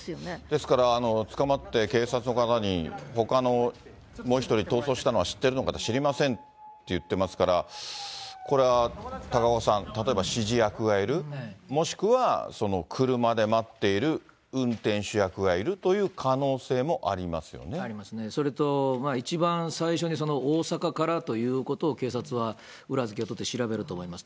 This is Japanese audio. ですから、つかまって警察の方に、ほかのもう１人、逃走したのは知ってるのかって、知りませんって言ってますから、これは高岡さん、例えば、指示役がいる、もしくは、その車で待っている運転手役がいるという可能ありますね、それと一番最初に、その、大阪からということを、警察は裏付けを取って調べると思います。